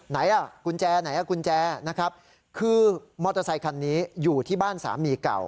ไหนอ่ะกุญแจไหนอ่ะกุญแจนะครับคือมอเตอร์ไซคันนี้อยู่ที่บ้านสามีเก่า